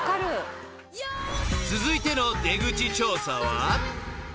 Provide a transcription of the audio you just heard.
［続いての出口調査は］